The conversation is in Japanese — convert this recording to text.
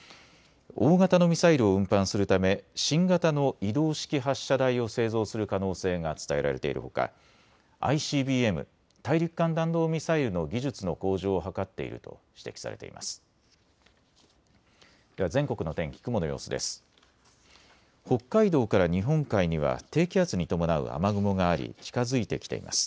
大型のミサイルを運搬するため新型の移動式発射台を製造する可能性が伝えられているほかＩＣＢＭ・大陸間弾道ミサイルの技術の向上を図っていると指摘されています。